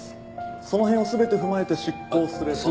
その辺を全て踏まえて執行すれば。